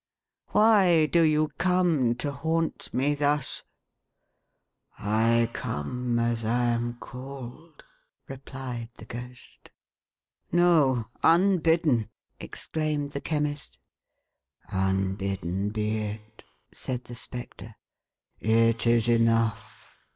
" Why do you come, to haunt me thus ?"" I come as I am called," replied the Ghost. "No. Unbidden," exclaimed the Chemist. " Unbidden be it,11 said the Spectre. " It is enough.